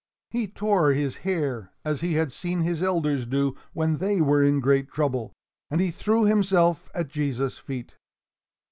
He tore his hair, as he had seen his elders do when they were in great trouble, and he threw himself at Jesus' feet.